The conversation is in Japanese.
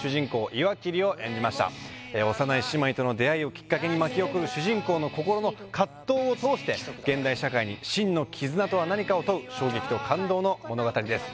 岩切を演じました幼い姉妹との出会いをきっかけに巻き起こる主人公の心の葛藤を通して現代社会に真の絆とは何かを問う衝撃と感動の物語です